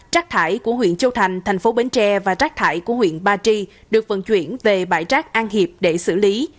trác thải của huyện châu thành thành phố bến tre và rác thải của huyện ba tri được vận chuyển về bãi rác an hiệp để xử lý